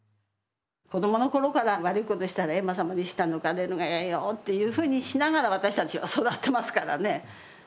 子供の頃から悪いことしたら閻魔さまに舌抜かれるんがやよっていうふうにしながら私たちは育ってますからね。